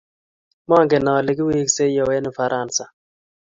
monget ale kiweksei owe eng Ufaransa